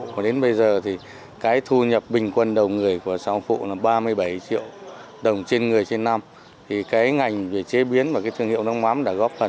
và đến bây giờ thì cái thu nhập bình quân đầu người của hồng phụ là ba mươi